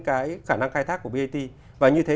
cái khả năng khai thác của bt và như thế